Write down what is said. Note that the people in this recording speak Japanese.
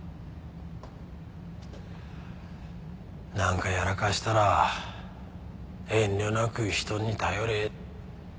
なんかやらかしたら遠慮なく人に頼れ。